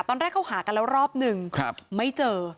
ตอนแรกเขาหากันแล้วรอบนึงไม่เจอ